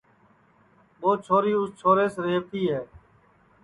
ٻو چھوری اُس چھوریس ریہوَتی ہے